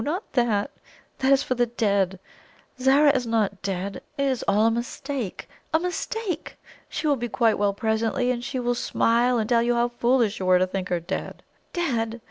Not that! That is for the dead; Zara is not dead! It is all a mistake a mistake! She will be quite well presently; and she will smile and tell you how foolish you were to think her dead! Dead?